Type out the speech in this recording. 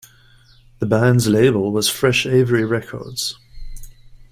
The band's label was Fresh Avery Records.